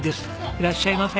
いらっしゃいませ。